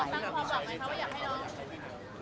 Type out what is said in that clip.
ตั้งความหวังไหมคะว่าอยากให้น้อง